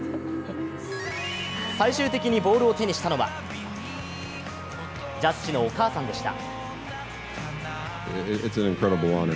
最終的にボールを手にしたのはジャッジのお母さんでした。